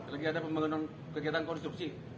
lagi ada pembangunan kegiatan konstruksi